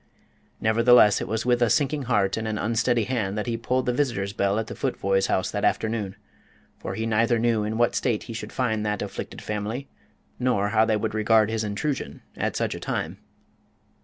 Nevertheless, it was with a sinking heart and an unsteady hand that he pulled the visitors' bell at the Futvoyes' house that afternoon, for he neither knew in what state he should find that afflicted family, nor how they would regard his intrusion at such a time.